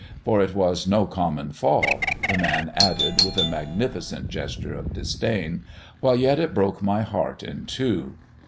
For it was no common fall," the man added with a magnificent gesture of disdain, "while yet it broke my heart in two."